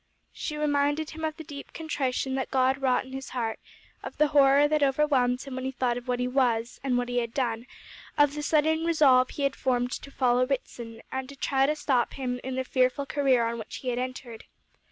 She reminded him of the deep contrition that God wrought in his heart; of the horror that overwhelmed him when he thought of what he was, and what he had done; of the sudden resolve he had formed to follow Ritson, and try to stop him in the fearful career on which he had entered.